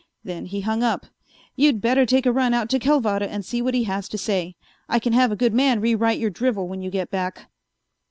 Then he hung up. You'd better take a run out to Calvada and see what he has to say. I can have a good man rewrite your drivel when you get back."